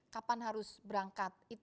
kapan harus berangkat